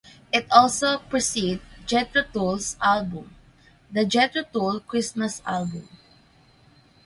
It also preceded Jethro Tull's album, "The Jethro Tull Christmas Album".